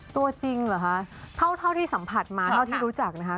ตัวจริงเหรอคะเท่าที่สัมผัสมาเท่าที่รู้จักนะคะ